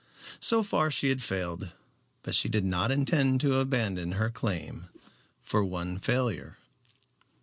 So far she had failed, but she did not intend to abandon her claim for one failure.